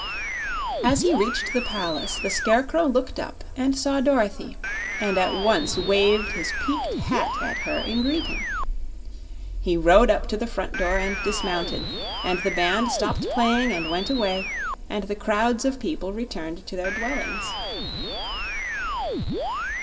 As he reached the palace the Scarecrow looked up and saw Dorothy, and at once waved his peaked hat at her in greeting. He rode up to the front door and dismounted, and the band stopped playing and went away and the crowds of people returned to their dwellings.